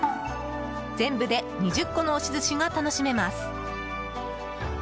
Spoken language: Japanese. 全部で２０個の押し寿司が楽しめます。